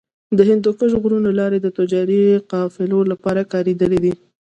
د هندوکش غرونو لارې د تجارتي قافلو لپاره کارېدلې دي.